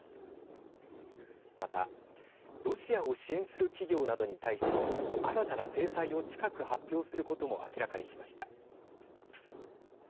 また、ロシアを支援する企業などに対し新たな制裁を近く発表することも明らかにしました。